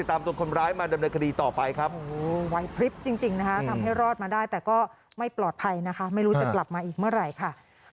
แต่ก็ไม่ปลอดภัยนะคะไม่รู้จะกลับมาอีกเมื่อไหร่ค่ะ